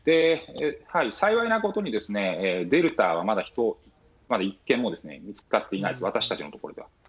幸いなことに、デルタはまだ１件も見つかっていないです、私たちの所では。